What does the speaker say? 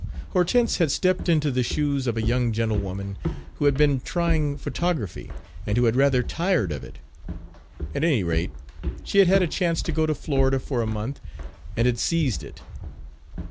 Hortense had stepped into the shoes of a young gentlewoman who had been trying photography, and who had rather tired of it. At any rate, she had had a chance to go to Florida for a month and had seized it.